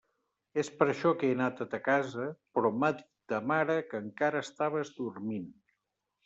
És per això que he anat a ta casa, però m'ha dit ta mare que encara estaves dormint.